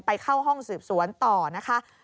เข้าห้องสืบสวนต่อนะคะ